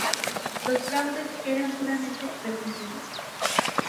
Los fraudes eran duramente reprimidos.